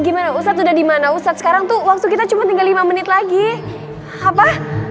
gimana ustadz udah dimana ustadz sekarang tuh langsung kita cuma tinggal lima menit lagi apa